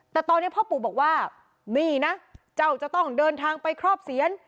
แต่ตอนนี้พ่อปู่บอกว่านี่นะเจ้าจะต้องเดินทางไปครอบเสียน